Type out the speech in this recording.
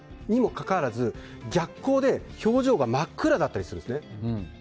にもかかわらず逆光で表情が真っ暗だったりするんですね。